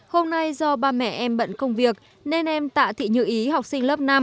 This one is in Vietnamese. hôm nay do ba mẹ em bận công việc nên em tạ thị như ý học sinh lớp năm